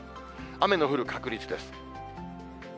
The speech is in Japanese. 雨の降る確率です。